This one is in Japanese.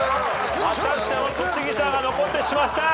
またしても戸次さんが残ってしまった！